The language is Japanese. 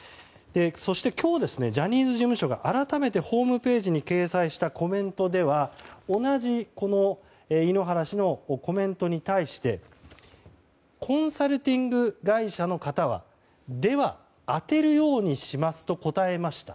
そして今日ジャニーズ事務所が改めてホームページに掲載したコメントでは同じこの井ノ原氏のコメントに対してコンサルティング会社の方はでは、当てるようにしますと答えました